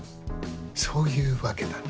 そういうわけだね？